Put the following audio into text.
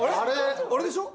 あれでしょ？